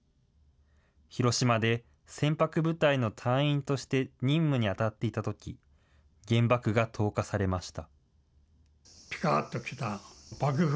広島で船舶部隊の隊員として任務に当たっていたとき、原爆が投下されました。